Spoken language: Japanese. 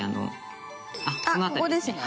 あっここですね。